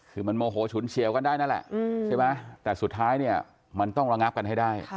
คือมันโมโหฉุนเฉียวกันได้นั่นแหละใช่ไหมแต่สุดท้ายเนี่ยมันต้องระงับกันให้ได้